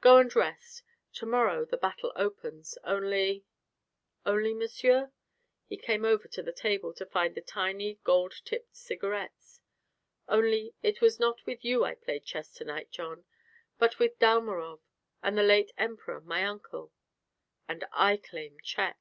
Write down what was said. "Go and rest; to morrow the battle opens. Only " "Only, monseigneur?" He came over to the table to find the tiny gold tipped cigarettes. "Only it was not with you I played chess to night, John, but with Dalmorov and the late Emperor, my uncle. And I claim check."